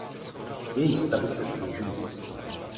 Její stavy se snižují.